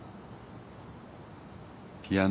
ピアノ。